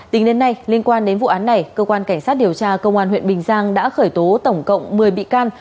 tính đến nay liên quan đến vụ án này cơ quan cảnh sát điều tra công an huyện bình giang đã khởi tố tổng cộng một mươi bị can